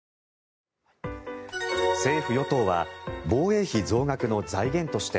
政府・与党は防衛費増額の財源として